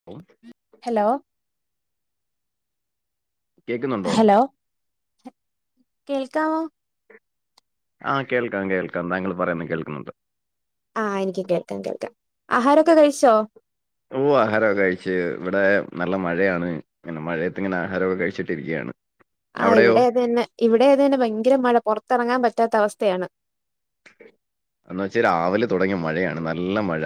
[inaudible] Hello കേക്കുന്നുണ്ടോ hello കേൾക്കാവോ ആഹ് കേൾക്കാം കേൾക്കാം താങ്കൾ പറയുന്നെ കേൾക്കുന്നുണ്ട് ആഹ് എനിക്ക് കേൾക്കാം കേൾക്കാം ആഹാരൊക്കെ കഴിച്ചോ ഓ ആഹാരൊക്കെ കഴിച്ച് ഇവിടെ നല്ല മഴയാണ്. [unintelligible] മഴയത്ത് ഇങ്ങനെ ആഹാരൊക്കെ കഴിച്ചിട്ടിരിക്ക്യാണ്. ആഹ് ഇവിടേതന്നെ ഇവിടെതെന്നെ ഭയങ്കര മഴ പൊർത്തർങ്ങാൻ പറ്റാത്ത അവസ്ഥയാണ്. എന്ന വെച്ചാ രാവിലെ തുടങ്ങിയ മഴയാണ് നല്ല മഴ.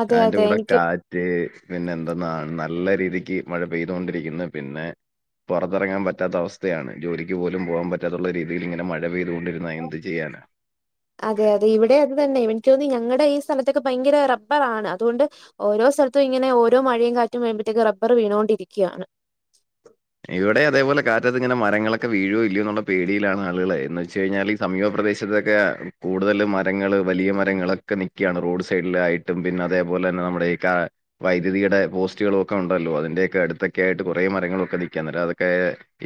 അതെ ഞാൻന്റെ അതെ കൂടെ എനിക്ക് കാ റ്റ് പിന്നെ എന്തെന്നാണ് നല്ല രീതിക്ക് മഴ പെയ്തോണ്ടിരിക്കുന്നു പിന്നെ പൊർത്തറങ്ങാൻ പറ്റാത്ത അവസ്ഥയാണ് ജോലിക്ക് പോലും പോകാൻ പറ്റാത്തുള്ള രീതിയിൽ ഇങ്ങനെ മഴ പെയ്തുകൊണ്ടിരുന്ന എന്ത് ചെയ്യാനാ അതെ അതെ ഇവിടെ അത് തന്നെ എനിക്ക് തോന്നി ഞങ്ങടെ ഈ സ്ഥലത്തൊക്കെ ഭയങ്കര റബ്ബർ ആണ് അതുകൊണ്ട് ഓരോ സ്ഥൽത്തും ഇങ്ങനെ ഓരോ മഴയും കാറ്റും വരുമ്പഴത്തേക്ക് റബ്ബർ വീണോണ്ടിരിക്ക്യാണ്. ഇവടെ അതേപോലെ കാറ്റത്ത് ഇങ്ങനെ മരങ്ങളൊക്കെ വീഴോ ഇല്ലേ എന്നുള്ള പേടിയിലാണ് ആളുകള് എന്ന് വെച്ച് കഴിഞ്ഞാല് സമീപ പ്രദേശത്തൊക്കെ കൂടുതൽ മരങ്ങള് വലിയ മരങ്ങളൊക്കെ നിക്കാണ് റോഡ് സൈഡിലായി എന്തിനതേപോലെ തന്നെ നമ്മുടെ ഈ കാ വൈദ്യുതിയുടെ പോസ്റ്റുകളൊക്കെ ഉണ്ടല്ലോ അതിന്റെയൊക്കെ അടുത്തൊക്കെ ആയിട്ട് കൊറേ മരങ്ങളൊക്കെ നിൽക്ക ഇങ്ങട്ടതൊക്കെ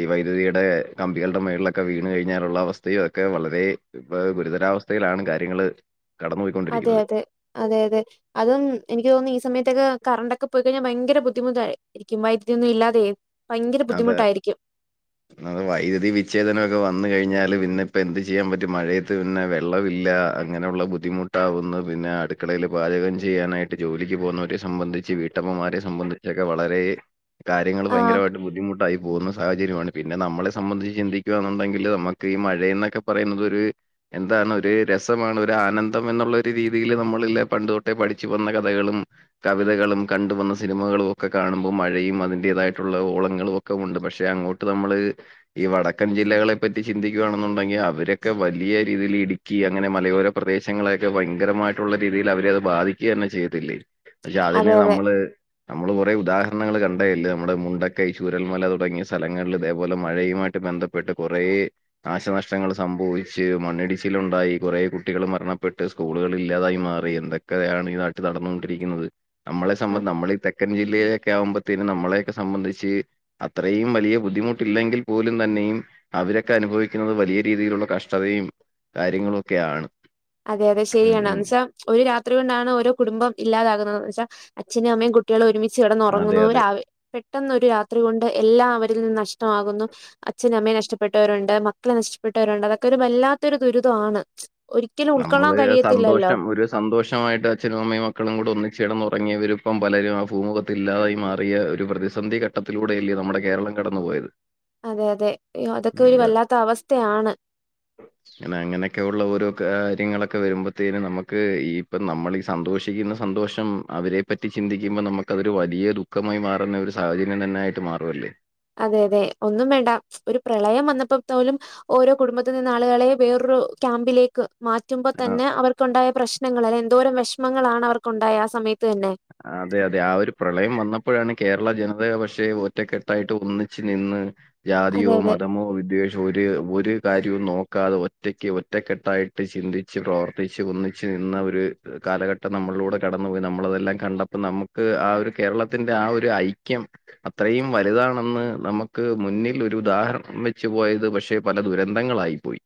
ഈ വൈദ്യുതിയുടെ കമ്പികൾടെ മേൾലൊക്കെ വീണ് കഴിഞ്ഞാലുള്ള അവസ്ഥയും ഒക്കെ വളരേ ഇപ്പ ഗുരുതരാവസ്ഥയിലാണ് കാര്യങ്ങള് അതെ കടന്നുപോയിക്കൊണ്ടിരിക്കുന്നത്. അതെ അതെ അതെ അതും എനിക്ക് തോന്നുന്നു ഈ സമയത്തൊക്കെ കറണ്ടൊക്കെ പോയിക്കഴിഞ്ഞാ ഭയങ്കര ബുദ്ധിമുത്തായി ഇരിക്കും വൈദ്യതിയൊന്നും ഇല്ലാതെ ഭയങ്കര ബുദ്ധിമുട്ടായിരിക്കും ഒന്നാമത് വൈദ്യുതി വിച്ഛേദനം ഒക്കെ വന്നു കഴിഞ്ഞാല് പിന്നെ ഇപ്പ എന്ത് ചെയ്യാൻ പറ്റും മഴയ ത്ത് പിന്നെ വെള്ളമില്ല അങ്ങനെയുള്ള ബുദ്ധിമുട്ടാവുന്നു പിന്നെ അടുക്കളയിൽ പാചകം ചെയ്യാനായി ട്ട്, ജോലിക്ക് പോകുന്നവരെ സംബന്ധിച്ച് വീട്ടമ്മമാരെ സംബന്ധിച്ചൊക്കെ വളരെ കാര്യങ്ങള് ആഹ് ഭയങ്കരവായിട്ട് ബുദ്ധി മുട്ടായി പോകുന്ന സാഹചര്യമാണ് പിന്നെ നമ്മളെ സംബന്ധിച്ച് ചിന്തിക്കുയെന്നുണ്ടെങ്കില് നമ്മക്ക് ഈ മഴെ എന്നൊക്കെ പറയുന്നത് ഒർ എന്താണ് ഒരു രസമാണ് ഒരു ആനന്ദം എന്നുള്ള ഒരു രീതിയിയില് നമ്മളല്ല പണ്ട് തൊട്ടേ പഠിച്ചു വന്ന കഥകളും കവിതകളും കണ്ടുവന്ന സിനിമകളും ഒക്കെ കാണുമ്പോൾ മഴയും അതിന്റേതായിട്ടുള്ള ഓള ങ്ങളൊക്കെ ഉണ്ട്. പക്ഷെ അങ്ങോട്ട് നമ്മള് ഈ വടക്കൻ ജില്ലകളെ പറ്റി ചിന്തിക്കുകയാണെന്നുണ്ടെങ്കിൽ അവരൊക്കെ വലിയ രീതിയിൽ ഇടി ക്കി അങ്ങനെ മലയോര പ്രദേശങ്ങളെയൊക്കെ ഭയങ്കരമായിട്ടുള്ള രീതിയിൽ അവരെ അത് ബാധിക്കുക തന്നെ ചെയ്തിട്ടില്ലേ. പക്ഷെ അതിന് അതെ അതെ നമ്മള് നമ്മള് കുറെ ഉദാഹരണങ്ങൾ കണ്ടേല്ലേ നമ്മുടെ മുണ്ട കൈ ചൂരൽമല തുടങ്ങിയ സ്ഥലങ്ങളിൽ ഇതേപോലെ മഴയുമായിട്ട് ബന്ധപ്പെട്ട് കുറേ നാശനഷ്ടങ്ങൾ സംഭവിച്ച് മണ്ണിടിച്ചിലുണ്ടായി കുറേ കുട്ടികൾ മരണപ്പെട്ട് സ്കൂളുകൾ ഇല്ലാതായി മാറി എന്തൊക്കെയാണ് ഈ നാട്ടിൽ നടന്നോണ്ടിരിക്കുന്നത്. നമ്മളെ സംഭ നമ്മളെ തെക്കൻ ജില്ലയിലൊക്കെ ആവുമ്പോത്തിന് നമ്മളൊയൊക്കെ സംബന്ധി ച്ച് അത്രയും വലിയ ബുദ്ധിമുട്ടില്ലെങ്കിൽ പോലും തന്നെയും അവരൊക്കെ അനുഭവിക്കുന്നത് വലിയ രീതിയിലുള്ള കഷ്ടതയും കാര്യങ്ങളും ഒക്കെആണ്. അതെ അതെ ശരിയാണ് എന്ന് വെച്ചാ ഒരു രാത്രി കൊണ്ടാണ് ഓരോ കുടുംബം ഇല്ലാതാകുന്നത് വെച്ചാ അച്ഛനും അമ്മയും കു കുട്ടികൾ ഒരുമിച്ച് അതെ കിടന്നുറങ്ങുന്നു. ഒരു അതെ ആ പെട്ടെന്ന് ഒരു രാത്രി കൊണ്ട് എല്ലാം അവരിൽ നിന്ന് നഷ്ടമാകുന്നു അച്ഛനും അമ്മയെ നഷ്ടപ്പെട്ടവരോണ്ട് മക്കളെ നഷ്ടപ്പെട്ടവരോണ്ട് അതൊക്കെ ഒരു വല്ലാത്തൊരു ദുരിതവാണ് നമ്മള് സന്തോഷം ഒരു സന്തോഷമായിട്ട് അച്ഛനും അമ്മയും മക്കളും കൂടെ ഒന്നിച്ചുടന്നുറങ്ങിയവരിപ്പം പലരും ആ ഭൂമുഖത്തി ഇല്ലാതായി മാറിയ ഒരു പ്രതി സന്ധി ഘട്ടത്തിലൂടെയല്ലേ നമ്മുടെ കേരളം കടന്നു പോയത് അതെ അതെ അതൊക്കെ ഒരു വല്ലാത്ത അവസ്ഥയാണ് അങ്ങനെ അങ്ങനെയൊക്കെയൊള്ള ഒരോ കാര്യങ്ങളൊക്കെ വരുമ്പോത്തേനും നമുക്ക് ഈ ഇപ്പം നമ്മളിഈ സന്തോഷിക്കുന്ന സന്തോഷം അവരെ പറ്റി ചിന്തിക്കുമ്പോ നമുക്കതൊരു വലിയ ദുഃഖമായി മാറുന്ന ഒരു സാഹചര്യം തന്നൊയിട്ട് മാറുവല്ലേ അതെ അതെ ഒന്നും വേണ്ട ഒരു പ്രളയം വന്നപ്പത്തോലും ഓരോ കുടുംബത്തി നിന്ന് ആളുകളെ വേറൊരു ക്യാമ്പിലേക്ക് മാറ്റുമ്പോ തന്നെ അവർക്കുണ്ടായ പ്രശ്നങ്ങൾ അല്ലെ എന്തോരം വിഷമങ്ങളാണ് അവർക്കുണ്ടായ ആ സമയത്ത് തന്നെ അതെ അതെ ആ ഒരു പ്രളയം വന്നപ്പോഴാണ് കേരള ജനത പഷേ ഒറ്റക്കെട്ടായിട്ട് ഒന്നിച്ച് നിന്ന് ജാതിയോ അതെ അതെ. മതമോ വിദ്വേഷ ഒരു ഒരു കാര്യവും നോക്കാതെ ഒറ്റക്ക് ഒറ്റക്കെട്ടായിട്ട് ചിന്തിച്ച് പ്രവർ കഴിച്ച് ഒന്നിച്ച് നിന്നാ ഒരു കാലഘട്ടം നമ്മളിലൂടെ കടന്നു പോയി നമ്മളതെല്ലാം കണ്ടപ്പോ നമുക്ക് ആ ഒരു കേരളത്തിന്റെ ആ ഒരു ഐക്യം അത്രയും വലുതാണെന്ന് നമുക്ക് മുന്നിൽ ഒരു ഉദാഹരണം വെച്ച് പോയത് പഷേ പല ദുരന്തങ്ങളായി പോയി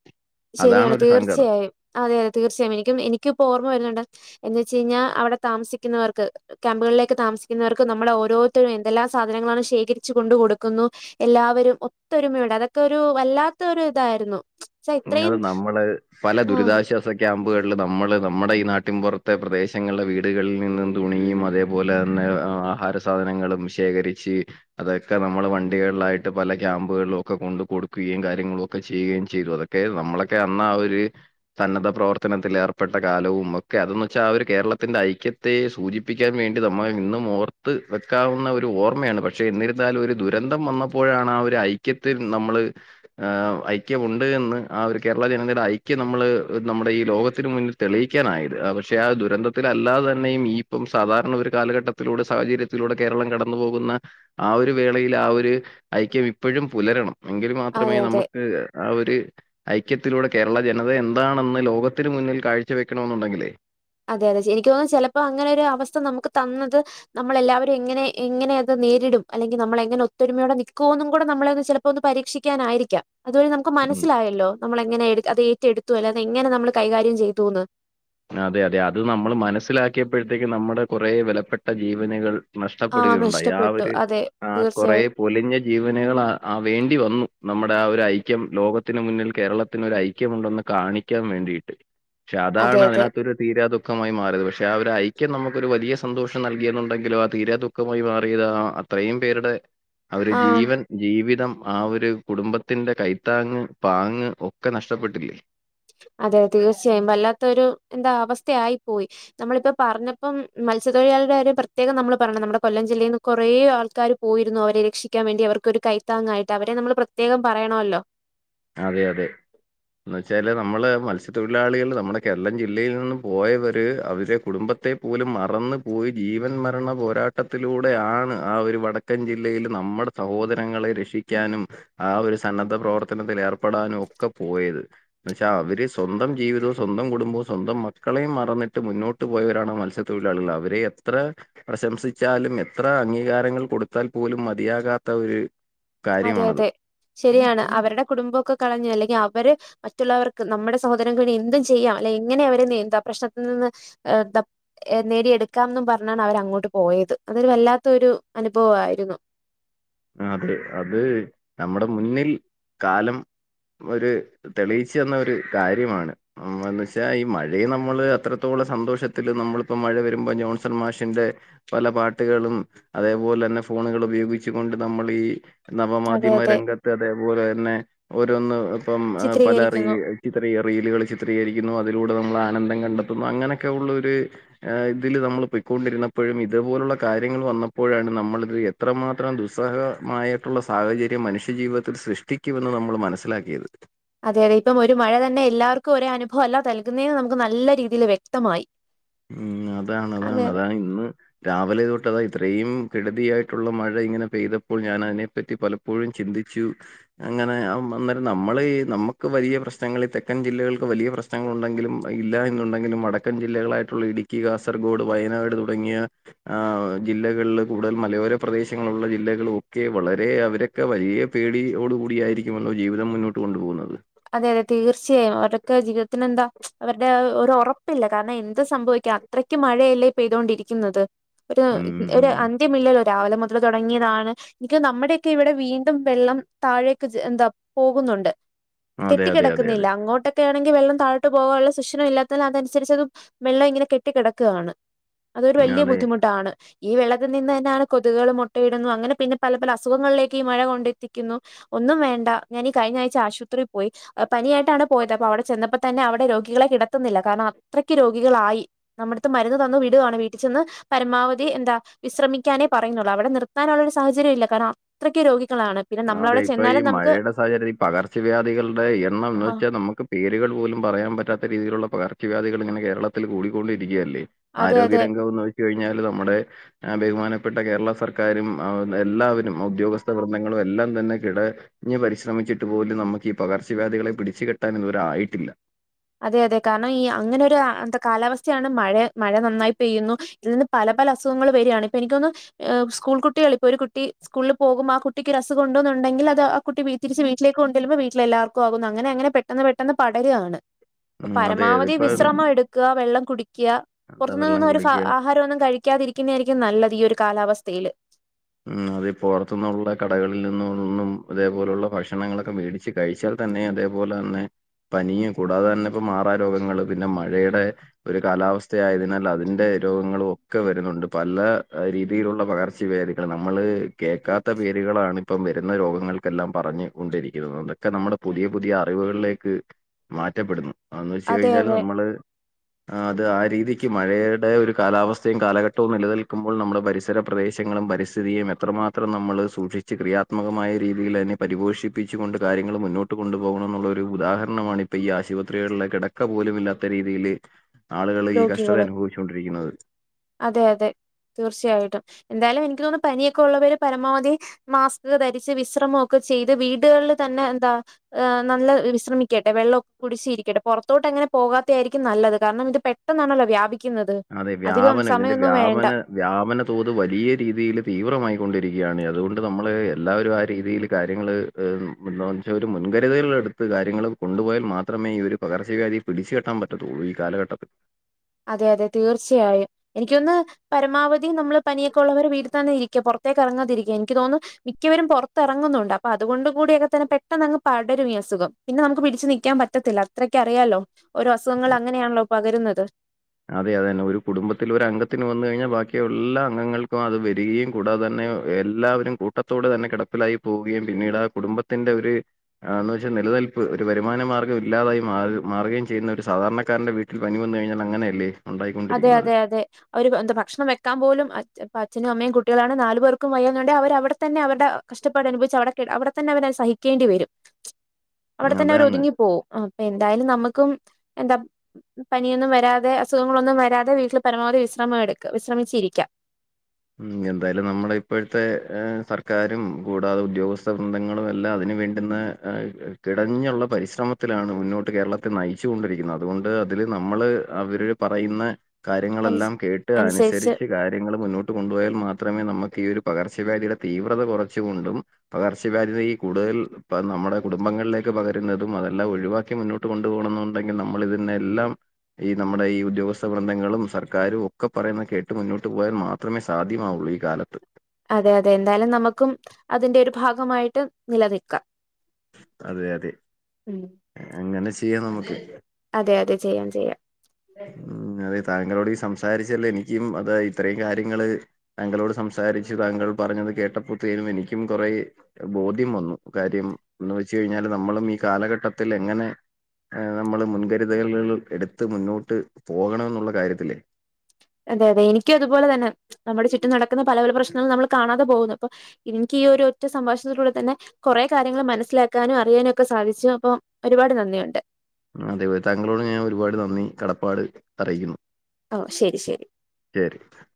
അതാണ് ശെരിയാണ് ഒരു സങ്കടം തീർച്ചയായും അതെ അതെ തീർച്ചയായും എനിക്കും എനിക്കിപ്പോ ഓർമ്മ വരുന്നോണ്ട് എന്ന് വച്ചകഴിഞ്ഞാ അവിടെ താമസിക്കുന്നവർക്ക് ക്യാമ്പുകളിലേക്ക് താമസിക്കുന്നവർക്ക് നമ്മള് ഓരോരുത്തരും എന്തെല്ലാ സാധനങ്ങളാണ് ശേഖരിച്ചു കൊണ്ട് കൊടുക്കുന്നു എല്ലാവരും ഒത്തൊരുമയോണ്ട് അതൊക്കെ ഒരു വല്ലാത്ത ഒരു ഇതാരുന്നു അത് നമ്മള് പല ദുരിതാശ്വാസ ക്യാമ്പുകളില് നമ്മള് നമ്മുടെ ഈ നാട്ടിൻപുറത്തെ പ്രദേശങ്ങളുടെ വീടുകളിൽ നിന്നും തുണിയും അതേ പോലെതന്നെ ആഹാര സാധനങ്ങളും ശേഖരിച്ച് അതൊക്കെ നമ്മള് വണ്ടികളിലായിട്ട് പല ക്യാമ്പുകളിലും ഒക്കെ കൊണ്ട് കൊടുക്കുകയും കാര്യങ്ങളും ഒക്കെ ചെയ്യുകയും ചെയ്തു അതൊ ക്കെ നമ്മളൊക്കെ അന്നാ ആഹ് ഒരു സന്നദ്ധ പ്രവർത്തനത്തിൽ ഏർപ്പെട്ട കാലവും ഒക്കെ അതെന്ന് വെച്ചാ ആ ഒരു കേരളത്തിന്റെ ഐക്യ ത്തെ സൂചിപ്പിക്കാൻ വേണ്ടി നമ്മള് ഇന്നും ഓർത്ത് വെക്കാവുന്ന ഒരു ഓർമ്മയാണ് പഷേ എന്നിര ന്നാലും ഒരു ദുരന്തം വന്നപ്പോഴാണ് ആ ഒരു ഐക്യത്തിൽ നമ്മള് ആഹ് ഐക്യമുണ്ട് എന്ന് ആഹ് ഒരു കേരള ജനതയുടെ ഐക്യം നമ്മള് നമ്മുടെ ഈ ലോകത്തിന് മുന്നിൽ തെളിയിക്കാനായത് പഷേ ആ ദുരന്ത ന്തത്തി അല്ലാതെ തന്നെയും ഈ ഇപ്പം സാധാരണ ഒരു കാലഘട്ടത്തിലൂടെ സാഹചര്യത്തിലൂടെ കേരളം കടന്നു പോകുന്ന ആ ഒരു വേളയിൽ ആഹ് ഒര് ഐക്യം ഇപ്പോഴും പുലരണം എങ്കിൽ മാത്രമേ അതെ, അതെ. നമുക്ക് ആ ഒര് ഐക്യത്തിലൂടെ കേരള ജനത എന്താണന്ന് ലോകത്തിന് മുന്നിൽ കാഴ്ച വെക്കണോന്നുണ്ടങ്കിലേ അതെ അതെ എനിക്ക് തോന്നും ചെലപ്പോ അങ്ങനെ ഒരു അവസ്ഥ നമുക്ക് തന്നത് നമ്മളെല്ലാവരും എങ്ങനെ എങ്ങനെ അത് നേരിടും അല്ലെങ്കിൽ നമ്മളെങ്ങനെ ഒത്തൊരുമയോടെ നിക്കൂന്നുകൂടെ നമ്മളെയൊന്ന് ചെല പ്പോന്ന് പരീക്ഷിക്കാനാരിക്കാം അതുവഴി നമുക്ക് മ്മ്. മനസ്സിലായല്ലോ നമ്മള എങ്ങനെ അത് ഏറ്റെടുത്തു അല്ല അത് എങ്ങന നമ്മള് കൈകാര്യം ചെയ്തുന്ന് അതെ അതെ അത് നമ്മൾ മനസ്സിലാക്കിയപ്പോഴത്തേക്കും നമ്മുടെ കൊറെ വെലപ്പെട്ട ജീവനുകൾ ആ നഷ്ടപ്പെടുകയുണ്ടായി ആ നഷ്ടപ്പെട്ടു ഒരു അതെ ആഹ് കൊറേ തീർച്ചയായും. പൊലിഞ്ഞ ജീവനുകൾ ആ വേണ്ടി വന്നു നമ്മുടെ ആ ഒരു ഐക്യം ലോകത്തിന് മുന്നിൽ കേരളത്തിന് ഒരു ഐ ക്യമുണ്ടന്ന് കാണിക്കാൻ വേണ്ടിട്ട് ഷേ അതാണ് അതെ അതെ. അതിനാത്തൊരു തീരാ ദുഖമായി മാറിയത്. പഷേ ആ ഒരു ഐക്യം നമുക്കൊരു വലിയ സന്തോഷം നൽകിയെന്നുണ്ടെങ്കില് ആ തീരാ ദു ക്കമായി മാറിയത് ആഹ് അത്രയും പേരുടെ അവര് ആ ജീവൻ ജീവിതം ആ ഒരു കുടുംബത്തിന്റെ കൈത്താങ്ങ് പാങ്ങ് ഒക്കെ നഷ്ട്ടപ്പെട്ടില്ലേ അതെ തീർച്ചയായും വല്ലാത്തൊരു എന്താ അവസ്ഥയായി പോയി നമ്മളിപ്പ പറഞ്ഞപ്പം മത്സ്യത്തൊഴിലാളുടെ കാര്യം പ്രത്യേകം നമ്മള് പറയണം നമ്മുടെ കൊല്ലം ജില്ലയിൽന്ന് കൊറേ ആൾക്കാര് പോയിരുന്നു അവരെ രക്ഷിക്കാൻ വേണ്ടി അവർക്കൊരു കൈത്താങ്ങായിട്ട് അവരെ നമ്മൾ പ്രത്യേകം പറയണല്ലോ അതെ അതെ എന്ന് വെച്ചാല് നമ്മള് മത്സ്യത്തൊഴിലാളികൾ നമ്മുടെ കേരളം ജില്ലയിൽ നിന്നും പോയവര് അവരുടെ കുടുംബത്തെ ഓല് മറന്നു പോയി ജീവൻ മരണ പോരാട്ടത്തിലൂടെയാണ് ആ ഒരു വട തെക്കൻ ജില്ലയിൽ നമ്മുടെ സഹോദരങ്ങളെ രക്ഷിക്കാനും ആ ഒര് സന്നദ്ധ പ്രവർത്ത ഏർപ്പെടാനും ഒക്ക പോയത് ന്ന് വച്ചാ അവര് സ്വന്തം ജീവിതവും സ്വന്തം കുടുംബവും സ്വന്തം മക്കളെയും മറന്നിട്ട് മുന്നോ ഇട്ട് പോയവരാണ് മത്സ്യത്തൊഴിലാളികൾ അവരെ എത്ര പ്രശംസിച്ചാലും എത്ര അംഗീകാരങ്ങൾ കൊടുത്താൽ പോലും മതിയാകാത്ത ഒര് അതെ അതെ ശരിയാണ് അവരുടെ കുടുംബൊക്കെ കളഞ് അല്ലെങ്കി അവര് മറ്റുള്ളവർക്ക് നമ്മുടെ സഹോദരങ്ങളെ എന്തും ചെയ്യാം അല്ല എങ്ങനെ അവരെ നന്താ പ്രശ്നത്തി നിന്ന് നേടിയെടുക്കാംന്ന് പറഞ്ഞാണ് അവരങ്ങോട്ട് പോയത് അതൊരു വല്ലാത്ത ഒരു അനുഭവാരുന്നു ആഹ് അതെ അത് നമ്മടെ മുന്നിൽ കാലം ഒര് തെളിയിച്ചു തന്നൊരു കാര്യമാണ് മം ച്ചാൽ ഈ മഴയെ നമ്മള് അത്രത്തോളം സന്തോഷത്തില് നമ്മളിപ്പോ മഴ വരുമ്പോ ജോൺസൺ മാഷിന്റെ പല പാട്ടുകളും അതേപോലെന്നെ ഫോണുകൾ ഉപയോഗിച്ച് കൊണ്ട് നമ്മൾ ഈ അതെ അതെ നവമാധ്യമരംഗത്ത് അതേപോലെ തന്നെ ഓരോന്ന് ഇപ്പം പല റീ ചിത്രീകരിക്കുന്നു. ചിത്ര റീലുകൾ ചിത്രീകരിക്കുന്നു അതിലൂടെ നമ്മൾ ആനന്ദം കണ്ടെത്തുന്നു അങ്ങനക്കെ ഉള്ള ഒരു ഇതില് നമ്മൾ പോയ്ക്കൊണ്ടിരുന്നപ്പോഴും ഇതുപോലുള്ള കാര്യങ്ങൾ വന്നപ്പോഴാണ് നമ്മളത് എത്രമാത്രം ത്രം ദുസ്സഹമായിട്ടുള്ള സാഹചര്യം മനുഷ്യജീവിതത്തിൽ സൃഷ്ടിക്കുമെന്ന് നമ്മൾ മനസ്സിലാക്കിയത് അതെ അതെ ഇപ്പം ഒരു മഴ തന്നെ എല്ലാവർക്കും ഒരേ അനുഭവല്ല നൽകുന്നേന്ന് നമുക്ക് നല്ല രീതിയിൽ വ്യക്തമായി മം അതാണ് അതാണ് അതെ അതാണ് ഇന്ന് രാവിലെ തൊട്ട് അതാ ഇത്രയും കെടുതിയായിട്ടുള്ള മഴ ഇങ്ങനെ പെയ്തപ്പോൾ ഞാനതിനെപ്പറ്റി പല എപ്പോഴും ചിന്തിച്ചു അങ്ങന അന്നേരം നമ്മളീ നമ്മക്ക് വലിയ പ്രശ്നങ്ങൾ ഈ തെക്കൻ ജില്ലകൾക്ക് വലിയ പ്രശ്ന നങ്ങൾ ഉണ്ടെങ്കിലും ഇല്ല എന്നുണ്ടെങ്കിലും വടക്കൻ ജില്ലകളായിട്ടുള്ള ഇടുക്കി കാസർഗോഡ് വയനാട് തുടങ്ങിയ ആഹ് ജില്ലകളില് കൂടുതൽ മലയോര പ്രദേശങ്ങളുള്ള ജില്ലകൾ ഒക്കെ വളരെ അവരെ ഒക്കെ വലിയ പേടിയോട് കൂടിയായിരിക്കുമല്ലോ ജീവിതം മുന്നോട്ട് കൊണ്ടു പോകുന്നത് അതെ അതെ തീർച്ചയായും അവരൊക്കെ ജീവിതത്തിന് എന്താ അവരുടെ ഒരു ഒറപ്പില്ല കാരണം എന്തും സംഭവിക്കാം അത്രയ്ക്ക് മഴയല്ലേ പെയ്തൊണ്ടിരിക്കുന്നത് ഒരു ഉം അന്ത്യമില്ല. രാവിലെ മുതൽ തൊടങ്ങിയതാണ് എനിക്ക് നമ്മുടെയൊക്കെ ഇവിടെ വീണ്ടും വെള്ളം താഴേൊക് ജെ എന്താ പോകുന്നുണ്ട് അതെ കെട്ടി അതെ അതെ അതെ കിടക്കുന്നില്ല അങ്ങോട്ടൊ ഒക്കെയാണെങ്കിൽ വെള്ളം താഴട്ട് പോകാനുള്ള സുഷിരം ഇല്ലാത്തതിനാൽ അതനുസരിച്ചതും വെള്ളം ഇങ്ങനെ കെട്ടിടക്കുകാണ് അതൊരു വലിയ അതെ. ബുദ്ധിമുട്ടാണ് ഈ വെള്ളത്തിൽ നിന്ന് തന്നെയാണ് കൊതുകൾ മുട്ടയിടുന്നു അങ്ങനെ പിന്നെ പല പല അസുഖങ്ങളിലേക്ക് ഈ മഴ കൊണ്ടെത്തിക്കുന്നു ഒന്നും വേണ്ട ഞാൻ ഈ കഴിഞ്ഞ ആഴ്ച ആശുപത്രിയിൽ പോയി ആഹ് പനിയായിട്ടാണ് പോയത് അപ്പൊ അവിടെ ചെന്നപ്പോ തന്നെ അവിടെ രോഗികളെ കിടത്തുന്നില്ല കാരണം അത്രയ്ക്ക് രോഗികളായി. നമ്മടടുത്ത് മരുന്ന് തന്നു വീടുവാണ് വീട്ടിൽ ചെന്ന് പരമാവധി എന്താ വിശ്രമിക്കാനേ പറയുന്നുള്ളൂ അവിടെ നിർത്താനുള്ള ഒരു സാഹചര്യം ഇല്ല കാരണം അത്രക്ക് രോഗികളാണ് പിന്നെ നമ്മളവിടെ ചെന്നാലും നമുക്ക് സാഹചര്യ ഈ പകർച്ചവ്യാധികളുടെ എണ്ണം എന്ന് ആ വെച്ചാൽ നമുക്ക് പേരുകൾ പോലും പറയാൻ പറ്റാത്ത രീതിയിലുള്ള പകർച്ചവ്യാധികൾ ഇങ്ങനെ കേരളത്തിൽ കൂടിക്കൊണ്ടിരിക്കുകയല്ലേ അതെ അതെ ആരോഗ്യ രംഗം നോക്കി കഴിഞ്ഞാല് നമ്മുടെ അഭിമാനപ്പെട്ട കേരള സർക്കാരും എല്ലാവരും ഉദ്യോഗസ്ഥ വൃന്തങ്ങളും എല്ലാം തന്നെ കിടഞ്ഞ് പരിശ്രമിച്ചിട്ട് പോലും നമുക്ക് ഈ പകർച്ചവ്യാധികളെ പിടിച്ച് കെട്ടാൻ ഇതു വരെ ആയിട്ടില്ല അതെ അതെ കാരണം ഈ അങ്ങനൊരു എന്ത കാലാവസ്ഥയാണ് മഴ മഴ നന്നായി പെയ്യുന്നു ഇതിൽ നിന്ന് പല പല അസുഖങ്ങൾ വരികാണ് ഇപ്പൊ എനിക്കൊന്ന് സ്കൂൾ കുട്ടികളിപ്പോ ഒരു കുട്ടി സ്കൂളിൽ പോകും ആ കുട്ടിക്ക് ഒരസുഗം ഉണ്ടെന്നുണ്ടെങ്കിൽ അത് കുട്ടി വീ തിരിച്ച് വീട്ടിലേക്ക് കൊണ്ടെല്ലുമ്പോ വീട്ടിലെ എല്ലർക്കും ആകുന്നു അങ്ങനെ അങ്ങനെ പെട്ടന്ന് പെട്ടന്ന് പടരാണ് ഉം. അതെ. പരമാവധി അതിപ്പം വിശ്രമം എടുക്കുക വെള്ളം കുടിക്കുക വെള്ളം പുറത്തുനിന്നൊന്നും ഒരു കുടിക്കുക ആഹാരം ഒന്നും കഴിക്ക ടിക്കാതിരിക്കുന്നതായിരിക്കും നല്ലത് ഈ ഒരു കാലാവസ്ഥയിൽ ഉം അതേ പൊറത്തുന്നുള്ള കടകളിൽ നിന്നൊന്നും അതേപോലുള്ള ഭക്ഷണങ്ങളൊക്കെ മേടി ഇത് കഴിച്ചാൽ തന്നെ അതേപോലെ തന്നെ പനിയും കൂടാതെ തന്നെ ഇപ്പ മാറാ രോഗങ്ങള് പിന്നെ മഴയുടെ ഒരു കാലാവസ്ഥയായതിനാൽ അതിന്റെ രോഗങ്ങളും ഒക്കെ വരുന്നുണ്ട് പല രീതിയിലുള്ള പകർച്ച വാതി നമ്മള് കേൾക്കാത്ത പേരുകളാണ് ഇപ്പം വരുന്ന രോഗങ്ങൾക്കെല്ലാം പറഞ്ഞ കൊണ്ടിരിക്കുന്നത് ഒക്കെ നമ്മുടെ പുതിയ പുതിയ അറിവുകളിലേക്ക് മാറ്റപ്പെടുന്നു അതന്ന് അതെ വെച്ചഴിഞ്ഞാല് അതെ നമ്മള് [inaudible] അത് ആ രീതിക്ക് മഴയുടെ ഒരു കാലാവസ്ഥയും കാലഘട്ടവും നിലനിൽക്കുമ്പോൾ നമ്മുടെ പരിസര പ്രദേശങ്ങളും പരി സ്ഥിതിയും എത്രമാത്രം നമ്മൾ സൂക്ഷിച്ച് ക്രിയാത്മകമായ രീതിയിൽതിനെ പരിപോഷിപ്പിച്ചു കൊണ്ട് കാര്യങ്ങൾ മുന്നോട്ട് കൊണ്ടു പോകണം എന്നുള്ള ഒരു ഉദാഹരണമാണ് ഇപ്പൊ ഈ ആശുപത്രികളിലെ കിടക്ക പോലും ഇല്ലാത്ത രീതിയിൽ ആളുകൾ ഈ കഷ്ടത രോഗികള്. അനുഭവിച്ചു കൊണ്ടിരിക്കുന്നത് അതെ അതെ തീർച്ചയായിട്ടും എന്തായാലും എനിക്ക് തോന്നുന്നു പനിയൊക്കെ ഉള്ളവര് പരമാവധി മാസ്ക് ധരിച്ച് വിശ്രമൊക്കെ ചെയ്ത് വീടുകളിൽ തന്നെ എന്താ ഹ് നല്ല വിശ്രമിക്കട്ടെ വെള്ളമൊക്കെ കുടിച്ചിരിക്കട്ടെ പുറത്തോട്ട് അങ്ങനെ പോകാത്തെയ ആയിരിക്കും നല്ലത് കാരണം ഇത് പെ പെട്ടെന്നാണല്ലോ വ്യാപിക്കുന്നത് അതെ. അധികം വ്യാപനം. ഇതിന്റെ സമയമൊന്നും വേണ്ട വ്യാപന വ്യാപന തോത് വലിയ രീതിയിൽ തീവ്രമായിക്കൊണ്ടിരിക്കുകയാണ് അതുകൊണ്ട് നമ്മള് എല്ലാവരും ആ രീതിയിൽ കാര്യങ്ങള് എന്നുവെച്ചാൽ ഒരു മുൻകരുതലൾ എടുത്ത് കാര്യങ്ങൾ കൊണ്ടുപോയാൽ മാത്രമേ ഈ ഒരു പകർച്ചവ്യാദി പിടിച്ച് കെട്ടാൻ പറ്റത്തുള്ളൂ ഈ കാലഘട്ടത്ത് അതെ അതെ തീർച്ചയായും എനിക്കൊന്ന് പരമാവധി നമ്മള് പനിയൊക്കെ ഉള്ളവര് വീട്ടിൽ തന്നെ ഇരിക്കുക പുറത്തേക്ക് ഇറങ്ങാതിരിക്കുക എനിക്ക് തോന്നുന്നു മിക്കവരും പുറത്തിറങ്ങുന്നുണ്ട് അപ്പൊ അതുകൊണ്ട് കൂടിയൊക്കെ തന്നെ പെട്ടെന്ന് അങ്ങ് പടരും ഇ അസുഖം പിന്നെ നമുക്ക് പിടിച്ച് നിക്കാൻ പറ്റത്തില്ല അത്രക്ക അറിയാാലോ ഓരോ അസുഖങ്ങൾ അങ്ങനെയാണല്ലോ പകരുന്നത് അതെ അതെന്നെ ഒരു കുടുംബത്തിൽ ഒരു അംഗത്തിന് വന്ന് കഴിഞ്ഞാൽ ബാക്കി എല്ലാ അംഗങ്ങൾക്കും അത് വരികയും കൂടാതെ തന്നെ എല്ലാവരും കൂട്ടത്തോടെ തന്നെ കിടപ്പിലായി പോവുകയും പിന്നീട് ആ കുടുംബത്തിന്റെ ഒരു ആ എന്ന് വെച്ചാൽ നിലനിൽപ്പ് ഒരു വരുമാന മാർഗ്ഗം ഇല്ലാതായി മാ മാറുകയും ചെയ്യുന്ന ഒരു സാധാരണക്കാരന്റെ വീ ഒരു പനി വന്നു കിഞ്ഞാൽ അങ്ങനെയല്ലേ അതെ അതെ അതെ അവര് എന്താ ഭക്ഷണം വെക്കാൻ പോലും അ അച്ഛനും അമ്മയും കുട്ടികളാണ് നാലു പേർക്കും വയ്യന്നണ്ടങ്കിൽ അവർ അവിടെ തന്നെ അവരുടെ കഷ്ടപ്പാട് അനുഭവിച്ച് അവിടെ അവിടെത്തന്നെ അവരത് സഹിക്കേണ്ടി വരും അവിടെത്തന്നെ അവർ അതാണ്. ഒതുങ്ങിപ്പോവും അപ്പൊ എന്തായാലും നമുക്കും എന്താ പനിയൊന്നും വരാതെ അസുഖ അസുഖങ്ങളൊന്നും വരാതെ വീട്ടിൽ പരമാവധി വിശ്രമ വിശ്രമിച്ചിരിക്കാം ഉം എന്തായാലും നമ്മള ഇപ്പോഴത്തെ സർക്കാരും കൂടാതെ ഉദ്യോഗസ്ഥ ബൃന്തങ്ങളും എല്ലാം അതിന് വേണ്ടുന്ന കിടഞ്ഞുള്ള പരിശ്രമത്തിലാണ് മുന്നോട്ട് കേരളത്തെ നയിച്ചു കൊണ്ടിരിക്കുന്നത് അതുകൊണ്ട് അതിൽ നമ്മൾ അവര് പറയുന്ന അനു കാര്യങ്ങളെല്ലാം കേട്ട് അനുസരിച്ച് കാര്യങ്ങൾ മുന്നോട്ട് കൊണ്ടുപോയാൽ മാത്രമേ നമുക്ക് ഈ ഒരു പകർച്ചവ്യധിയുടെ തീവ്രത കുറച്ചുകൊണ്ടും പകർച്ചവ്യാധി ഈ കൂടുതൽ നമ്മുടെ കുടുംബങ്ങളിലേക്ക് പകരുന്നതും അതെല്ലാം ഒഴിവാക്കി മുന്നോട്ട് കൊണ്ടു പോണം എന്നുണ്ടെങ്കിൽ നമ്മള ഇതിനെ എല്ലാം ഈ നമ്മുടെ ഈ ഉദ്യോഗസ്ഥ ബൃന്തങ്ങളും സർക്കാരും ഒക്കെ പറയുന്ന കേട്ട് മുന്നോട്ട് പോകയാൻ മാത്രം അത്രമേ സാധ്യമാവുള്ളൂ ഈ കാലത്ത് അതെ അതെ എന്തായാലും നമുക്കും അതിന്റെ ഒരു ഭാഗമായിട്ട് നിലനിൽക്കാം അതെ അതെ ഉം അങ്ങനെ ചെയ്യാം നമുക്ക് അതെ അതെ ചെയ്യാം ചെയ്യാം ഉ അതെ താങ്കളോട് സംസാരിച്ചല്ലേ എനിക്കും അത ഇത്രയും കാര്യങ്ങള് തങ്കളോട് സംസാരിച്ചു താങ്കൾ പറഞ്ഞത് കേട്ടപ്പോത്തേനും എനിക്കും കുറെ ബോധ്യം വന്നു കാര്യം എന്ന് വെച്ച കഴിഞ്ഞാല് നമ്മളും ഈ കാലഘട്ടത്തിൽ എങ്ങനെ ആഹ്‌ നമ്മള് മുൻകരുതലുകൾ എടുത്ത് മുന്നോട്ട് പോകണെന്നുള്ള കാര്യത്തിേല്ലേ അതെ അതെ എനിക്കും [unintelligible] നമ്മുടെ ചുറ്റും നടക്കുന്ന പല പല പ്രശ്നങ്ങും നമ്മൾ കാണാതെ പോകുന്നു അപ്പൊ എനിക്ക് ഈ ഒരു ഒറ്റ സംഭാഷണത്തിലൂടെ തന്നെ കുറെ കാര്യങ്ങൾ മനസ്സിലാക്കാനും അറിയാനും ഒക്കെ സാധിച്ചു അപ്പം ഒരുപാട് നന്ദിയുണ്ട് അതേ താങ്കളോട് ഞാൻ ഒരുപാട് നന്ദി കടപ്പാട് അറിയിക്കുന്നു ഓ ശരി ശരി [unintelligible]